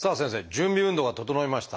準備運動が整いました。